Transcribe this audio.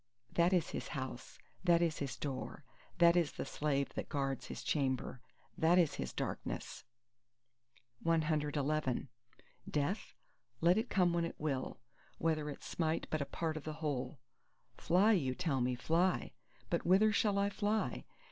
That is his house; that is his door; that is the slave that guards his chamber; that is his darkness! CXII Death? let it come when it will, whether it smite but a part of the whole: Fly, you tell me—fly! But whither shall I fly?